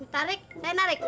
tarik saya tarik